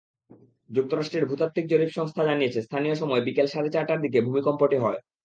যুক্তরাষ্ট্রের ভূতাত্ত্বিক জরিপ সংস্থা জানিয়েছে, স্থানীয় সময় বিকেল সাড়ে চারটার দিকে ভূমিকম্পটি হয়।